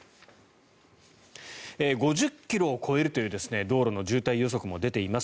５０ｋｍを超えるという道路の渋滞予測も出ています。